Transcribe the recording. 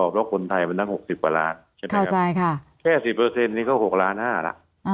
เพราะมีผลผลไทยมันตั้ง๖๐ประมาณแค่๑๐นี้ก็๖๕ล้านบาท